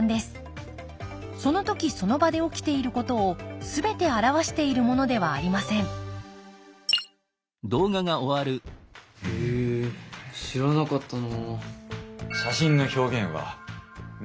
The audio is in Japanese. その時その場で起きていることをすべて表しているものではありませんへえ知らなかったな。